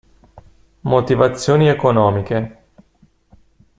Motivazioni economiche.